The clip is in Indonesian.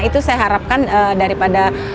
itu saya harapkan daripada